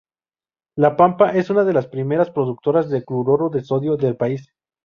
La Pampa es una de las primeras productoras de cloruro de sodio del país.